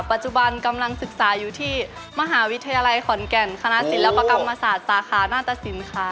ปัจจุบันกำลังศึกษาอยู่ที่มหาวิทยาลัยขอนแก่นคณะศิลปกรรมศาสตร์สาขาหน้าตสินค้า